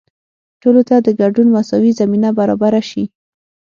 ټولو ته د ګډون مساوي زمینه برابره شي.